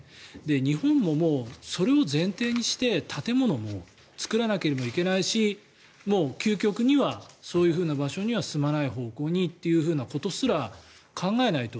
日本もそれを前提にして建物も作らなければいけないし究極にはそういう場所には住まない方向にということすら考えないと。